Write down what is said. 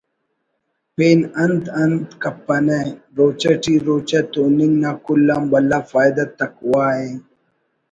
پین انت انت کپنہ روچہ ٹی روچہ توننگ نا کل آن بھلا فائدہ تقویٰ ءِ